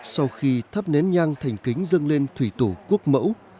sau khi thắp nén nhang thành kính dâng lên thủy tổ quốc mẫu